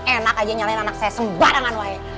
enak aja nyalain anak saya sembarangan wahai